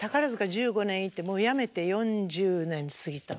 １５年いてもうやめて４０年過ぎた。